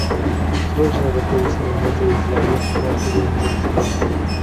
Solo se reproduce en el norte de la isla Norte de Nueva Zelanda.